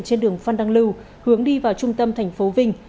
trên đường phan đăng lưu hướng đi vào trung tâm thành phố vinh